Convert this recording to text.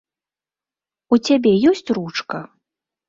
У цябе ёсць ручка?